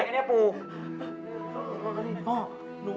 เรื่องอะไรกันเนี่ยปู